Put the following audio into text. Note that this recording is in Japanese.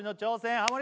ハモリ